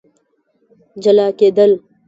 جلا کېدل